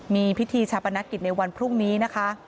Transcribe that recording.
มีพิธีชาปนกิจในวันพรุ่งนี้นะคะ